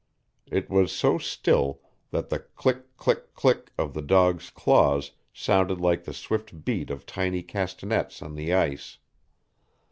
It was so still that the click, dick, click of the dogs' claws sounded like the swift beat of tiny castanets on the ice.